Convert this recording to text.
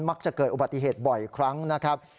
มักจะเกิดอุบัติเหตุบ่อยครั้งนะครับ